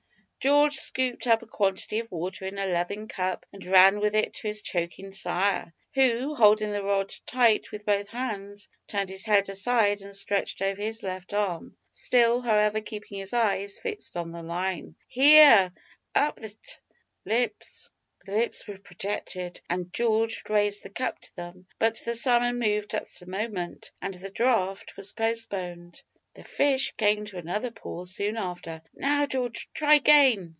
George scooped up a quantity of water in a leathern cup, and ran with it to his choking sire, who, holding the rod tight with both hands, turned his head aside and stretched over his left arm, still, however, keeping his eyes fixed on the line. "Here, up with't lips." The lips were projected, and George raised the cup to them, but the salmon moved at the moment, and the draught was postponed. The fish came to another pause soon after. "Now, Geo'ge, try 'gain."